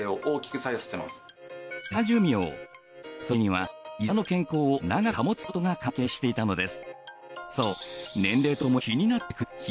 でも皆さんそれにはひざの健康を長く保つことが関係していたのです。